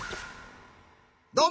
どうも！